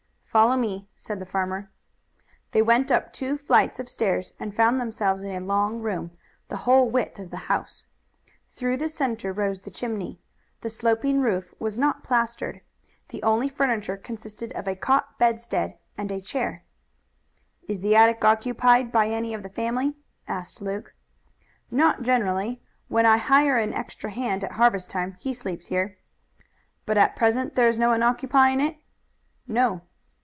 "Follow me," said the farmer. They went up two flights of stairs and found themselves in a long room, the whole width of the house. Through the center rose the chimney. The sloping roof was not plastered. The only furniture consisted of a cot bedstead and a chair. "Is the attic occupied by any of the family?" asked Luke. "Not generally. When I hire an extra hand at harvest time he sleeps there." "But at present there is no one occupying it?" "No."